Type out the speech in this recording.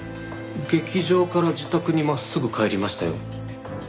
劇場から自宅に真っすぐ帰りましたよ。